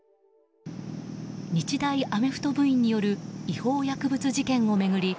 日大アメフト部員による違法薬物事件を巡り